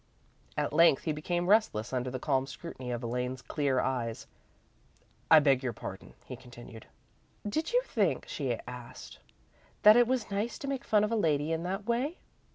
At length he became restless under the calm scrutiny of Elaine's clear eyes. "I beg your pardon," he continued. "Did you think," she asked, "that it was nice to make fun of a lady in that way?"